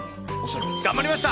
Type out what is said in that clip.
頑張りました。